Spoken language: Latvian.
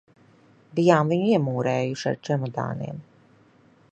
Bijām viņu iemūrējuši ar čemodāniem.